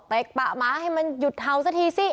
เตะป่าหมาให้มันหยุดเทาซะทีซิ